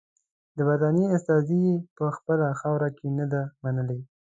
د برټانیې استازي یې په خپله خاوره کې نه دي منلي.